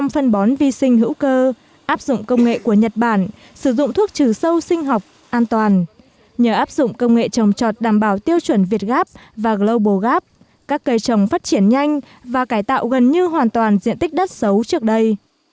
một trăm linh phân bón vi sinh hữu cơ áp dụng công nghệ của nhật bản sử dụng thuốc trừ sâu sinh học an toàn nhờ áp dụng công nghệ trồng trọt đảm bảo tiêu chuẩn việt gáp và global gap các cây trồng phát triển nhanh và cải tạo gần như hoàn toàn diện tích đất xấu trước đây